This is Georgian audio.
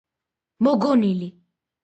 მოგონილი